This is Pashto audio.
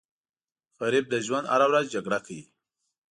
غریب د ژوند هره ورځ جګړه کوي